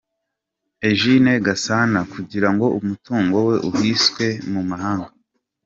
Eugene Gasana kugirango umutungo we uhiswe mu mahanga.